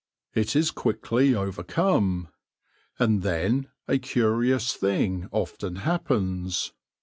It is quickly overcome. And then a curious thing often happens.